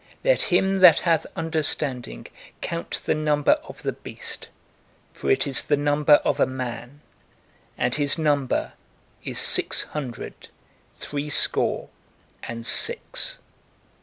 Let him that hath understanding count the number of the beast: for it is the number of a man; and his number is Six hundred threescore and six.